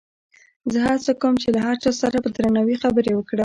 زه هڅه کوم چې له هر چا سره په درناوي خبرې وکړم.